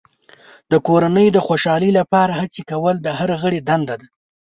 د کورنۍ د خوشحالۍ لپاره هڅې کول د هر غړي دنده ده.